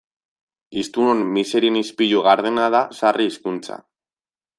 Hiztunon miserien ispilu gardena da sarri hizkuntza.